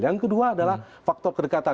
yang kedua adalah faktor kedekatan